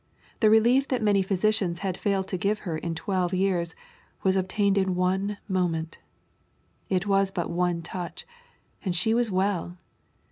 The relief that many physicians had failed to give in " twelve years,*' was obtained in one moment. It was but one touch, and she was well